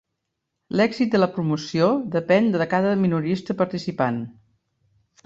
L'èxit de la promoció depèn de cada minorista participant.